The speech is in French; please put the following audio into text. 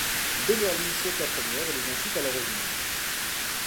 Beverly saute la première et les incite à la rejoindre.